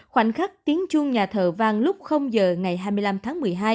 khoảnh khắc tiếng chuông nhà thờ vàng lúc giờ ngày hai mươi năm tháng một mươi hai